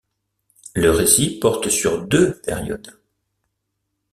Le récit porte sur deux périodes.